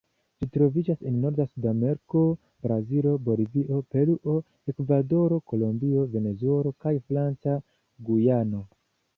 Ĝi troviĝas en norda Sudameriko: Brazilo, Bolivio, Peruo, Ekvadoro, Kolombio, Venezuelo, kaj Franca Gujano.